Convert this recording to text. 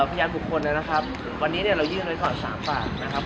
พยานบุคคลนะครับวันนี้เรายื่นไว้ต่อ๓ฝาก